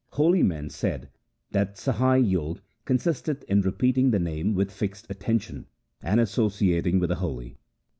Holy men say that Sahaj Jog consisteth in repeating the Name with fixed attention, and associating with the holy.